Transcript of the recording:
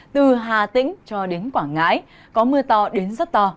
từ hà tĩnh cho đến quảng ngãi có mưa to đến rất to